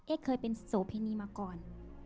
เคยเป็นโสเพณีมาก่อน